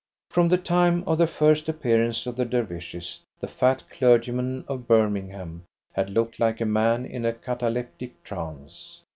From the time of the first appearance of the Dervishes the fat clergyman of Birmingham had looked like a man in a cataleptic trance.